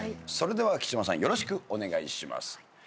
それでは木嶋さんよろしくお願いします。